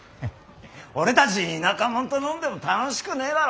俺たち田舎もんと飲んでも楽しくねえだろ。